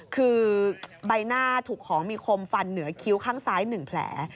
คือใบหน้าถูกของมีคมฟันเหนือคิ้วข้างซ้าย๑แผล